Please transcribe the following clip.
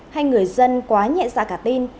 hay người dân quá nhẹ dạ cả tin